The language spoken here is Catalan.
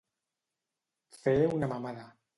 Fer una mamada.